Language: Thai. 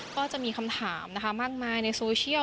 ก็จะมีคำถามนะคะมากมายในโซเชียล